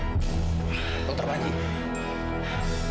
yang kaget dari kawasan tempat pagan